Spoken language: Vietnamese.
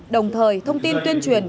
đồng thời thông tin tuyên truyền